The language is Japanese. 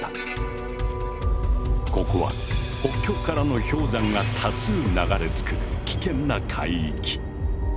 ここは北極からの氷山が多数流れ着く危険な海域。